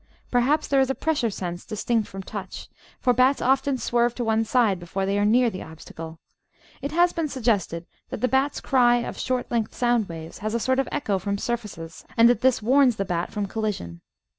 Perhaps there is a pressure sense distinct from touch, for bats often swerve to one side before they are near the obstacle. It has been suggested that the bat's cry of short length sound waves has a sort of echo from surfaces, and that this warns the bat from collision.